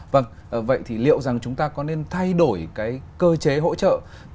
vâng vậy thì liệu rằng chúng ta có nên thay đổi cái cơ chế hỗ trợ